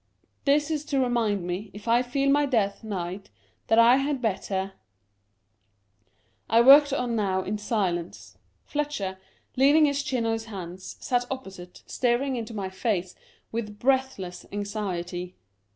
— This is to remind me, if I feel my death nigh, that I had better '" I worked on now in silence; Fletcher, leaning his chin on his hands, sat opposite, staring into my face with breathless anxiety.